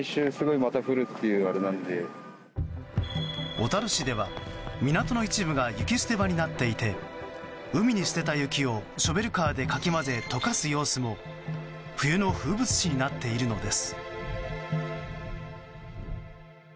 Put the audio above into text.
小樽市では、港の一部が雪捨て場になっていて海に捨てた雪をショベルカーでかき混ぜ溶かす様子も冬の風物詩になっているのです。